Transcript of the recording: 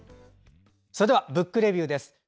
それでは「ブックレビュー」です。